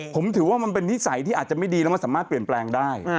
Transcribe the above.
ผมถือว่ามันเป็นนิสัยที่อาจจะไม่ดีแล้วมันสามารถเปลี่ยนแปลงได้